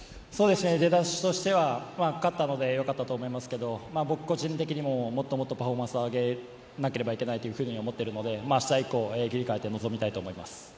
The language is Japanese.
出だしとしては勝ったのでよかったと思いますが僕個人的にももっとパフォーマンスを上げなければいけないと思っているので明日以降切り替えて臨みたいと思います。